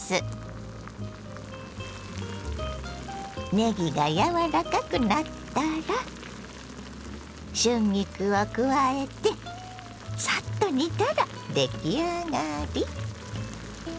ねぎが柔らかくなったら春菊を加えてサッと煮たら出来上がり！